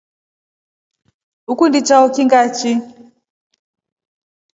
Ukundi chao kii ngachi.